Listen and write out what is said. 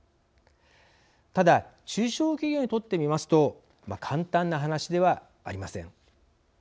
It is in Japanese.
ただ、中小企業にとってみますと簡単な話ではありません。